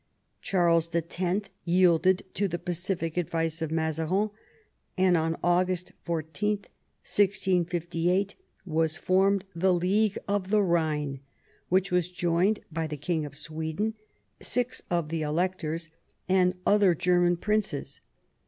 Charles X. yielded to the pacific advice of Mazarin, and on August 14, 1658, was formed the League of the Rhine, which was joined by the King of Sweden, six of the electors, and other German princes.